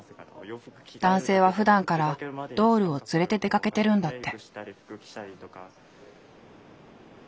男性はふだんからドールを連れて出かけてるんだって。